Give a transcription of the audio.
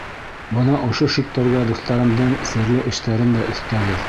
Бына ошо шиктәргә дуҫтарымдың серле эштәрен дә өҫтәгеҙ.